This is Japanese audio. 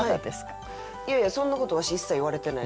いやいやそんなことわし一切言われてないです。